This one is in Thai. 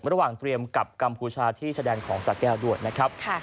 ระหว่างเตรียมกลับกรามพูชาที่แสดงของศาสตร์แก้วรวดนะครับ